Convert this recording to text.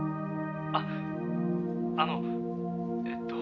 「あっあのえーと」